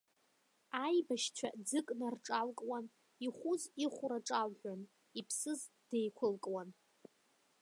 Аибашьцәа ӡык нарҿалкуан, ихәыз ихәра ҿалҳәон, иԥсыз деиқәылкуан.